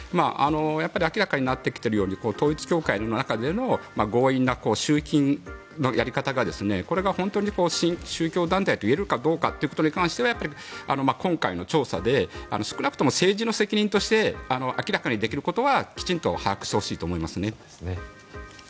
明らかになってきているように統一教会の中での強引な集金のやり方がこれが本当に宗教団体といえるかどうかということに関してはやっぱり今回の調査で少なくとも政治の責任として明らかにできることはきちんと把握してほしいと思います。